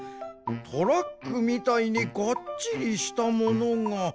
トラックみたいにガッチリしたものが。